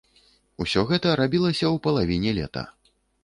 Усё гэта рабілася ў палавіне лета.